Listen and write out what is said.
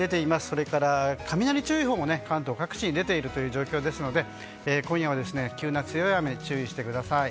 それから、雷注意報も関東各地に出ている状況ですので今夜は、急な強い雨に注意してください。